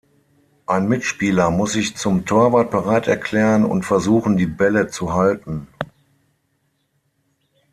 Ein Mitspieler muss sich zum Torwart bereit erklären und versuchen, die Bälle zu halten.